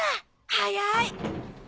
早い！